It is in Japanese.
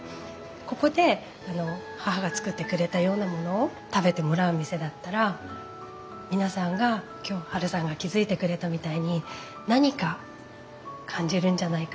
ここで母が作ってくれたようなものを食べてもらう店だったら皆さんが今日ハルさんが気付いてくれたみたいに何か感じるんじゃないかな